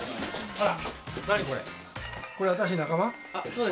あら。